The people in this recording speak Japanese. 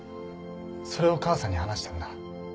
それを母さんに話したんだ。